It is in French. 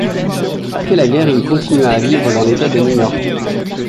Après la guerre, il continua à vivre dans l'État de New York.